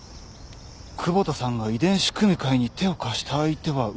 窪田さんが遺伝子組み換えに手を貸した相手は上村浩だった。